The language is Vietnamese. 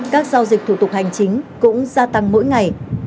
các giao dịch thủ tục hành chính cũng gia tăng mỗi ngày